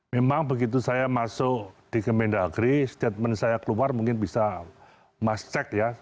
memang begitu saya masuk di kemendagri statement saya keluar mungkin bisa mas cek ya